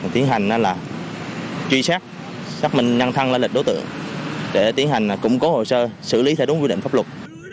tiến hành là truy sát xác minh nhanh thăng lên lịch đối tượng để tiến hành củng cố hồ sơ xử lý thái độ quy định pháp luật